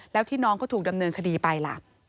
แล้วที่น้องก็ถูกดำเนินคดีไปล่ะ